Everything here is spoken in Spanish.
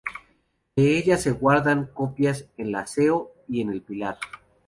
De ella se guardan copias en La Seo y en El Pilar.